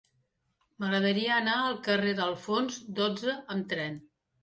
M'agradaria anar al carrer d'Alfons dotze amb tren.